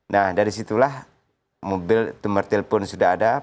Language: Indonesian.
nah dari situlah mobil nomor telepon sudah ada